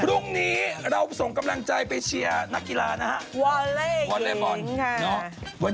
พรุ่งนี้เราส่งกำลังใจไปเชียร์นักกีฬานะฮะ